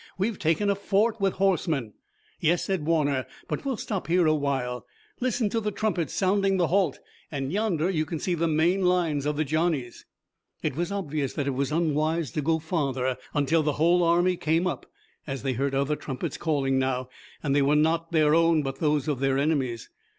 We've taken a fort with horsemen!" "Yes," said Warner, "but we'll stop here a while. Listen to the trumpets sounding the halt, and yonder you can see the main lines of the Johnnies." It was obvious that it was unwise to go farther until the whole army came up, as they heard other trumpets calling now, and they were not their own but those of their enemies.